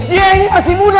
iya ini masih muda